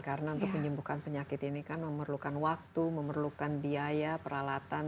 karena untuk menyembuhkan penyakit ini kan memerlukan waktu memerlukan biaya peralatan